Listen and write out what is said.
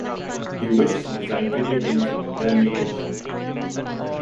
He wished to design video games from an early age.